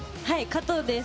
加藤です。